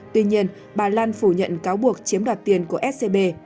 tuy nhiên bà lan phủ nhận cáo buộc chiếm đoạt tiền của scb